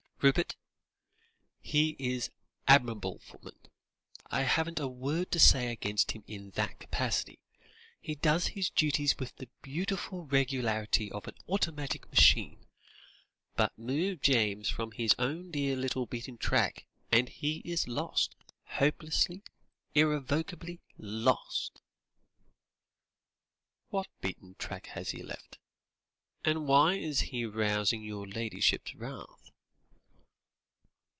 "Rupert! He is an admirable footman. I haven't a word to say against him in that capacity. He does his duties with the beautiful regularity of an automatic machine. But move James from his own dear little beaten track, and he is lost, hopelessly, irrevocably lost!" "What beaten track has he left? and why is he rousing your ladyship's wrath?"